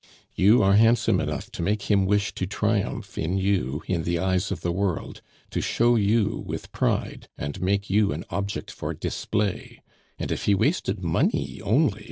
"You are handsome enough to make him wish to triumph in you in the eyes of the world, to show you with pride, and make you an object for display. And if he wasted money only!